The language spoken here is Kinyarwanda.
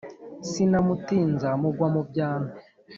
sinamutinza mugwa mu byano,